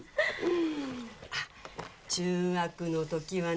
あっ中学の時はね